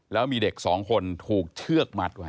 แล้วมีเด็กสองคนถูกเชือกมัดไว้